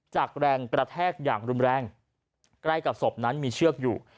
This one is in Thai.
จากแรงกระแทกอย่างรุนแรงใกล้กับศพนั้นมีเชือกอยู่